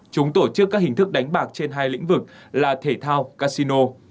chúng tổ chức các hình thức đánh bạc trên hai lĩnh vực là thể thao casino